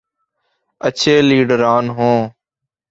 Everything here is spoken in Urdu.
اچھے لیڈران ہوں۔